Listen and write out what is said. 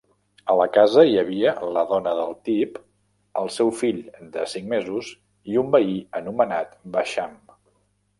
A la casa hi havia la dona del Tibb, el seu fill de cinc mesos i un veí anomenat Basham.